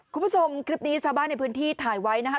คุณผู้ชมคลิปนี้ชาวบ้านในพื้นที่ถ่ายไว้นะคะ